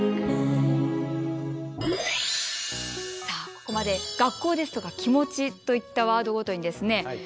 さあここまで「学校」ですとか「気持ち」といったワードごとにですね